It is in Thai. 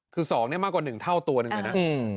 คือ๒มากกว่า๑เท่าตัวหนึ่งเลยนะ